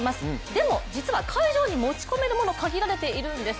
でも実は会場に持ち込めるもの、限られているんです。